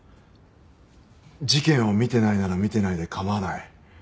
事件を見てないなら見てないで構わない。